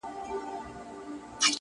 په زلفو ورا مه كوه مړ به مي كړې،